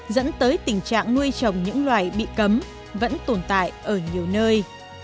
dẫn tới tình trạng nuôi trồng những loài bị cấm vẫn tồn tại ở nhiều nơi